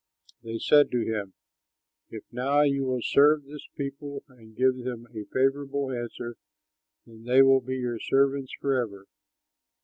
They said to him, "If now you will serve this people and give them a favorable answer, then they will be your servants forever."